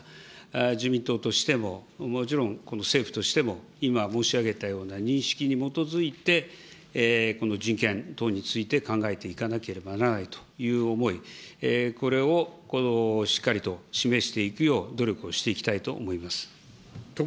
自民党としても、もちろんこの政府としても、今申し上げたような認識に基づいて、人権等について考えていかなければならないという思い、これをしっかりと示していくよう努力をしていきたいと思います。